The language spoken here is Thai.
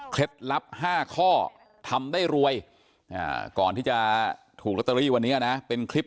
ลับ๕ข้อทำได้รวยก่อนที่จะถูกลอตเตอรี่วันนี้นะเป็นคลิป